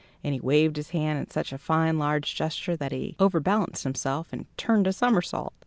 And he waved his hand in such a fine large gesture that he overbalanced himself, and turned a somersault.